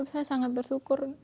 saya sangat bersyukur